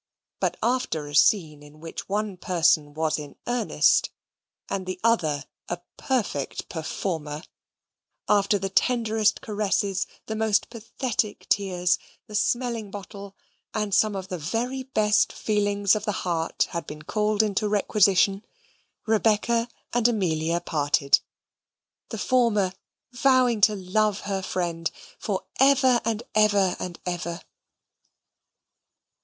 But after a scene in which one person was in earnest and the other a perfect performer after the tenderest caresses, the most pathetic tears, the smelling bottle, and some of the very best feelings of the heart, had been called into requisition Rebecca and Amelia parted, the former vowing to love her friend for ever and ever and ever.